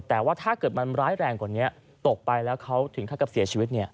แต่ว่าถ้าเกิดมันร้ายแรงกว่านี้ตกไปแล้วเขาถึงขั้นกับเสียชีวิต